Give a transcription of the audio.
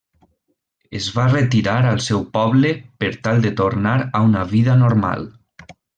Es va retirar al seu poble per tal de tornar a una vida normal.